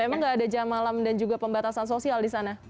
emang gak ada jam malam dan juga pembatasan sosial di sana